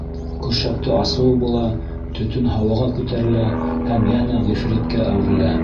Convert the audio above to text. Көршәкте асыуы була, төтөн һауаға күтәрелә һәм йәнә ғифриткә әүерелә.